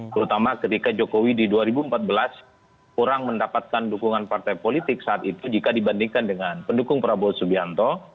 terutama ketika jokowi di dua ribu empat belas kurang mendapatkan dukungan partai politik saat itu jika dibandingkan dengan pendukung prabowo subianto